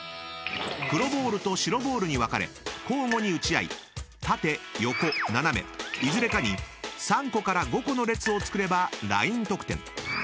［黒ボールと白ボールに分かれ交互に打ち合い縦・横・斜めいずれかに３個から５個の列をつくればライン得点］